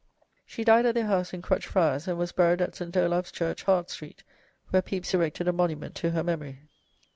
She died at their house in Crutched Friars, and was buried at St. Olave's Church, Hart Street, where Pepys erected a monument to her memory.